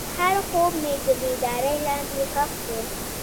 هر خوب مې د بیدارۍ لاندې ښخ شو.